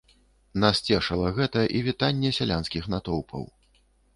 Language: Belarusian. Нас цешыла гэта і вітанне сялянскіх натоўпаў.